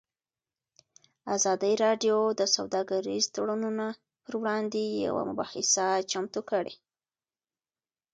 ازادي راډیو د سوداګریز تړونونه پر وړاندې یوه مباحثه چمتو کړې.